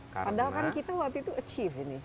padahal kan kita waktu itu achieve ini